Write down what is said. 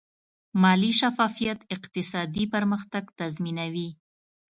مالي شفافیت اقتصادي پرمختګ تضمینوي.